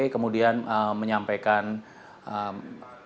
kemudian menyampaikan perhatian terhadap tkp